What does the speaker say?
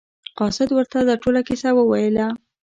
قاصد ورته دا ټوله کیسه وویله.